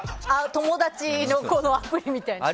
友達のアプリみたいな。